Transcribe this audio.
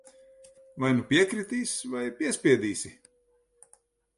Vai nu piekritīs, vai piespiedīsi.